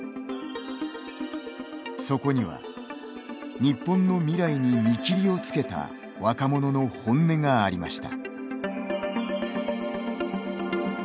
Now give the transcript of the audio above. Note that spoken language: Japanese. そこには、日本の未来に見切りをつけた若者の本音がありました。